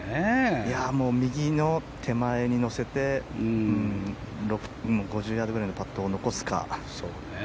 右の手前に乗せて５０ヤードくらいのパットを残すか。